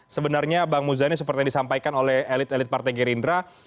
sebenarnya bang muzani seperti yang disampaikan oleh elit elit partai gerindra